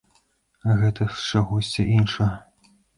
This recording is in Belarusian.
Гэта з чагосьці іншага!